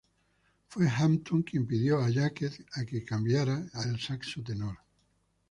Fue Hampton quien pidió a Jacquet a que cambiara al saxo tenor.